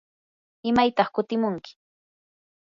¿imaytaq kutimunki?